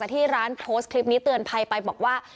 ที่ร้านโพสต์คลิปนี้เตือนภัยไปบอกว่า